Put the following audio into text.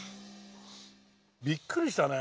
びっくりしたね。